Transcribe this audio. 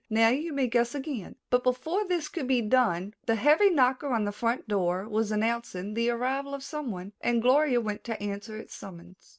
"Now you may guess again." But before this could be done, the heavy knocker on the front door was announcing the arrival of someone, and Gloria went to answer its summons.